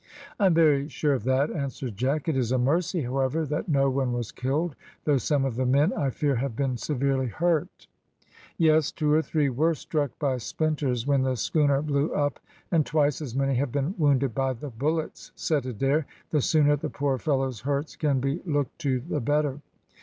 "I am very sure of that," answered Jack. "It's a mercy, however, that no one was killed, though some of the men, I fear, have been severely hurt." "Yes, two or three were struck by splinters when the schooner blew up, and twice as many have been wounded by the bullets," said Adair. "The sooner the poor fellows' hurts can be looked to the better."